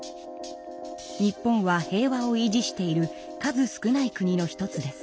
日本は平和を維持している数少ない国の一つです。